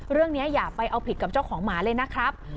เรื่องนี้อย่าไปเอาผิดกับเจ้าของหมาเลยนะครับ